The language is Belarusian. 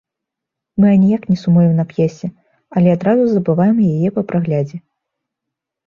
Мы аніяк не сумуем на п'есе, але адразу забываем яе па праглядзе.